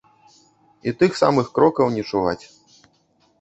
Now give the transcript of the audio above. І тых самых крокаў не чуваць.